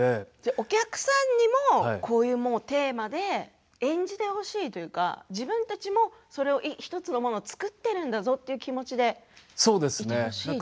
お客さんにもこういうテーマで演じてほしいというか自分たちも、それを１つのものを作っているんだぞという気持ちでいてほしいと。